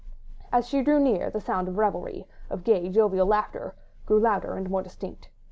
As she drew near, the sound of revelry, of gay, jovial laughter, grew louder and more distinct.